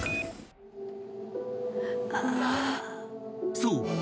［そう］